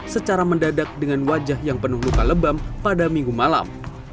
secara mendadak dengan wajah yang penuh luka lebam pada minggu malam